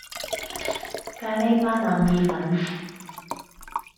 咖哩班腩意粉